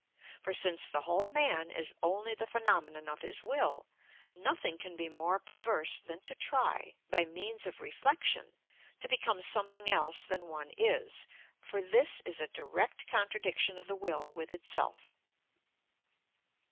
For since the whole man is only the phenomenon of his will, nothing can be more perverse than to try, by means of reflection, to become something else than one is, for this is a direct contradiction of the will with itself.